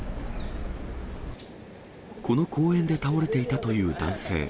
この公園で倒れていたという男性。